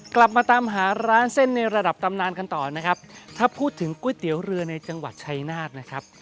กลับมาตามหาร้านเส้นในระดับตำนานกันต่อนะครับถ้าพูดถึงก๋วยเตี๋ยวเรือในจังหวัดชัยนาธนะครับ